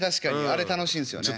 あれ楽しいんすよね。